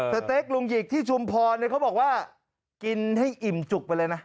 สเต็กลุงหยิกที่ชุมพรเขาบอกว่ากินให้อิ่มจุกไปเลยนะ